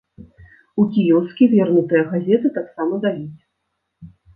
У кіёскі вернутыя газеты таксама даюць.